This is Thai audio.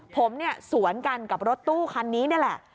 ผมเนี่ยสวนกันกับรถตู้คันนี้นี่แหละ